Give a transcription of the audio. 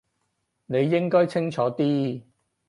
你應該清楚啲